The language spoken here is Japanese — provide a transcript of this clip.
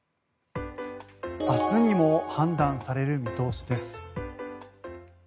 明日にも判断される見通しです。